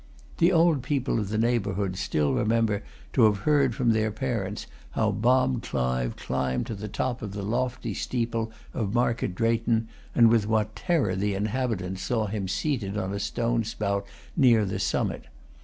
The old people of the neighbourhood still remember to have heard from their parents how Bob Clive climbed to the top of the lofty steeple of Market Drayton, and with what terror the inhabitants saw him seated on a stone spout near the summit.